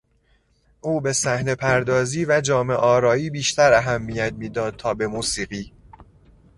او به صحنهپردازی و جامهآرایی بیشتر اهمیت میداد تا به موسیقی.